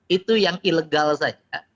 itu yang ilegal saja